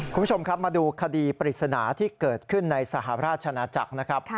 คุณผู้ชมครับมาดูคดีปริศนาที่เกิดขึ้นในสหราชนาจักรนะครับ